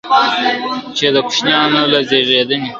چي د كوشنيانو له زېږېدني